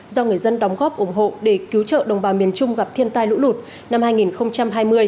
do người dân đóng góp ủng hộ để cứu trợ đồng bào miền trung gặp thiên tai lũ lụt năm hai nghìn hai mươi